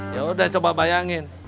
ya udah coba bayangin